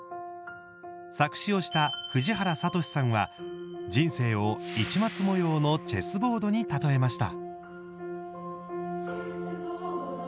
作詞をした藤原聡さんは人生を市松模様のチェスボードに例えました。